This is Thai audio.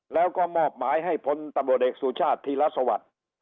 แล้วก็มอบหมายให้พลตำรวจเอกสุชาติธีรสวัสดิ์